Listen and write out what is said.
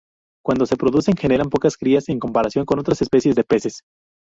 Cuando se reproducen, generan pocas crías en comparación con otras especies de peces.